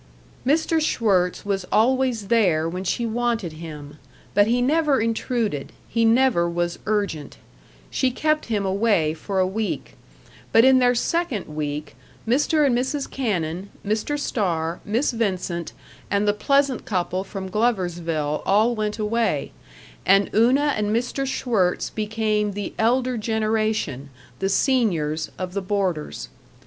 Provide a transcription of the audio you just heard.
§ 6 Mr. Schwirtz was always there when she wanted him, but he never intruded, he never was urgent. She kept him away for a week; but in their second week Mr. and Mrs. Cannon, Mr. Starr, Miss Vincent, and the pleasant couple from Gloversville all went away, and Una and Mr. Schwirtz became the elder generation, the seniors, of the boarders.